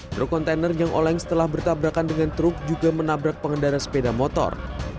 truk kontainer yang oleng setelah bertabrakan dengan truk juga menabrak pengendara sepeda motor